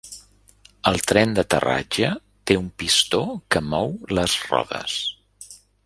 El tren d'aterratge té un pistó que mou les rodes.